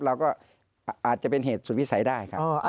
เราก็อาจจะเป็นเหตุสุดวิสัยได้ครับ